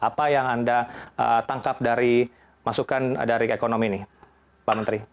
apa yang anda tangkap dari masukan dari ekonomi ini pak menteri